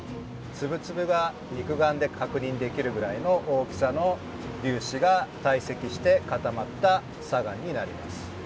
粒々が肉眼で確認できるぐらいの大きさの粒子が堆積して固まった砂岩になります。